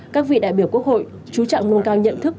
các vị đại biểu quốc hội chú trọng nâng cao nhận thức